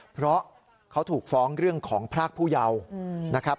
เพราะเขาถูกฟ้องเรื่องของพรากผู้เยาว์นะครับ